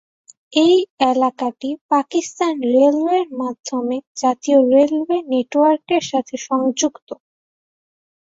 এই এলাকাটি পাকিস্তান রেলওয়ের মাধ্যমে জাতীয় রেলওয়ে নেটওয়ার্কের সাথে সংযুক্ত।